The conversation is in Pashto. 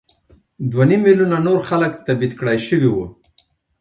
دوه نیم میلیونه نور خلک تبعید کړای شوي وو.